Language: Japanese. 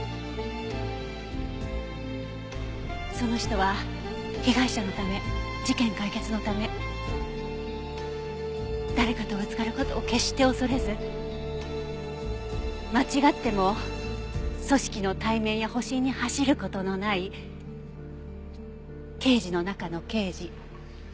その人は被害者のため事件解決のため誰かとぶつかる事を決して恐れず間違っても組織の体面や保身に走る事のない刑事の中の刑事。